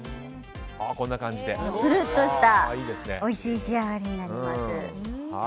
ぷるっとしたおいしい仕上がりになります。